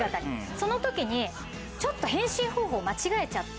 その時にちょっと変身方法間違えちゃって。